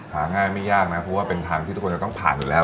หาง่ายไม่ยากนะเพราะว่าเป็นทางที่ทุกคนจะต้องผ่านอยู่แล้ว